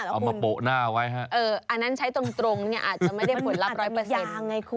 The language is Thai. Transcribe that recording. เอามาทาหน้าเหรอคุณอันนั้นใช้ตรงเนี่ยอาจจะไม่ได้ผลลัพธ์ร้อยเปิดเตยังไงคุณ